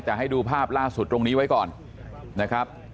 แต่ให้ดูภาพล่าสุดตรงนี้ไว้ก่อนนะครับ